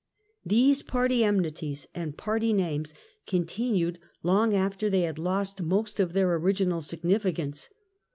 These party enmities and party names continued long after they had lost most of their original significance.